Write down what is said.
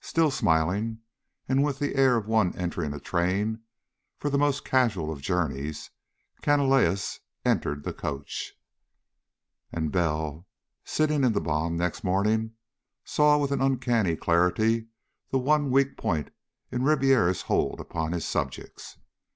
Still smiling, and with the air of one entering a train for the most casual of journeys, Canalejas entered the coach. And Bell, sitting in the bonde next morning, saw with an uncanny clarity the one weak point in Ribiera's hold upon his subjects.